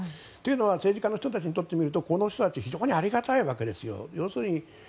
政治家の人たちから見るとこの人たちは非常にありがたいわけですよ。